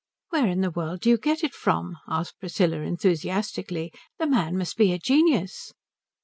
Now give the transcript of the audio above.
"Where in the world do you get it from?" asked Priscilla enthusiastically. "The man must be a genius."